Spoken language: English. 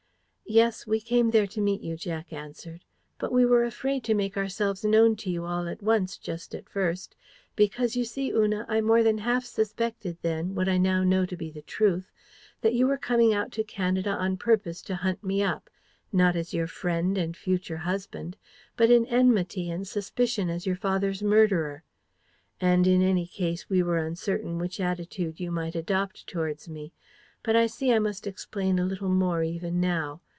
"Yes, we came there to meet you," Jack answered. "But we were afraid to make ourselves known to you all at once just at first, because, you see, Una, I more than half suspected then, what I know now to be the truth, that you were coming out to Canada on purpose to hunt me up, not as your friend and future husband, but in enmity and suspicion as your father's murderer. And in any case we were uncertain which attitude you might adopt towards me. But I see I must explain a little more even now.